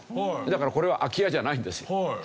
だからこれは空き家じゃないんですよ。